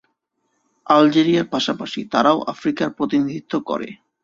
আলজেরিয়ার পাশাপাশি তারাও আফ্রিকার প্রতিনিধিত্ব করে।